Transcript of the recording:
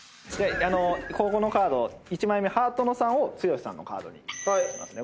ここのカード１枚目ハートの３を剛さんのカードにしますね。